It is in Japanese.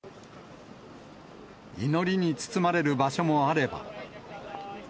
祈りに包まれる場所もあれば。